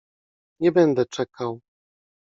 Nie będę czekał!